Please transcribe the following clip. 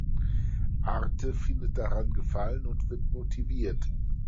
Arte findet daran Gefallen und wird motiviert.